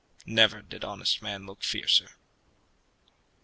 Never did honest man look fiercer.